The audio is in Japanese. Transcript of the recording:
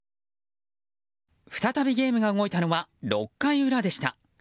再びゲームが動いたのは６回裏でした。